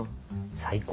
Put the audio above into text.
最高。